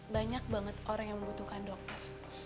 banyak banget orang yang membutuhkan dokter